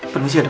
permisi ya dok